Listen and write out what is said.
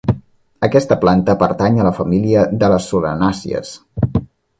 Aquesta planta pertany a la família de les solanàcies.